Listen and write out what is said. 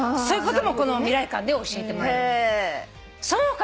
そういうこともこの未来館で教えてもらえるの。